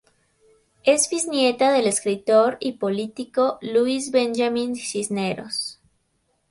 Es bisnieta del escritor y político Luis Benjamín Cisneros.